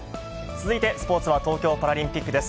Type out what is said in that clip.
続いてスポーツは、東京パラリンピックです。